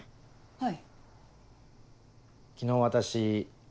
はい。